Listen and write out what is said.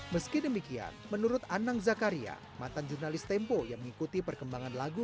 meski demikian menurut anang zakaria mantan jurnalis tempo yang mengikuti perkembangan lagu